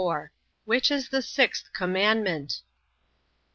Which is the sixth commandment?